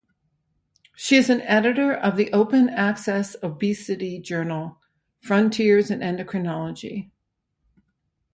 She is an editor of the open access obesity journal Frontiers in Endocrinology.